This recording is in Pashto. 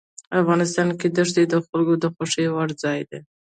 افغانستان کې دښتې د خلکو د خوښې وړ ځای دی.